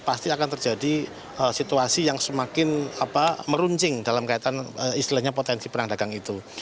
pasti akan terjadi situasi yang semakin meruncing dalam kaitan istilahnya potensi perang dagang itu